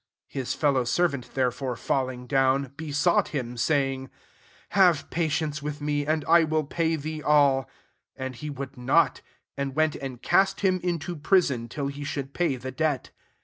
29 His fellow servant therefore falling down, be sought him, saying, < Have pa tience with me, and I will pay thee [all].' 30 And he would not : and went and cast him into prison, till he should pa3r the debt.